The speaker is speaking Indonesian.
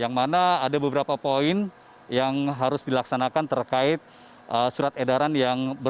yang mana ada beberapa poin yang harus dilaksanakan terkait surat edaran yang bernomor dua puluh tahun dua ribu dua puluh ini